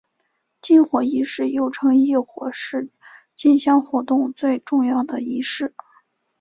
进火仪式又称刈火是进香活动最重要的仪式。